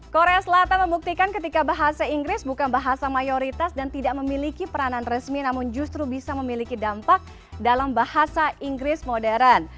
korea selatan membuktikan ketika bahasa inggris bukan bahasa mayoritas dan tidak memiliki peranan resmi namun justru bisa memiliki dampak dalam bahasa inggris modern